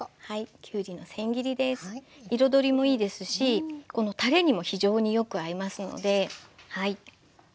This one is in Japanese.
彩りもいいですしこのたれにも非常によく合いますのではい。